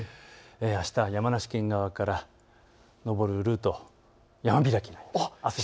あした、山梨県側から登るルートは山開きです。